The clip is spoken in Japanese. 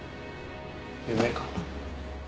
夢か。